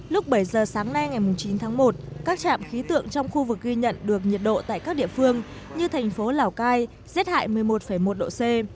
lúc bảy giờ sáng nay ngày chín tháng một các trạm khí tượng trong khu vực ghi nhận được nhiệt độ tại các địa phương như thành phố lào cai rét hại một mươi một một độ c